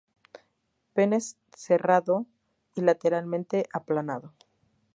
Pene cerrado y lateralmente aplanado.